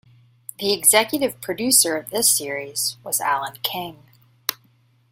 The executive producer of this series was Alan King.